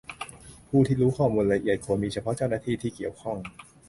ผู้ที่รู้ข้อมูลละเอียดควรมีเฉพาะเจ้าหน้าที่ที่เกี่ยวข้อง